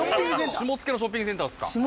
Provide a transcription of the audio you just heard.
下野のショッピングセンター。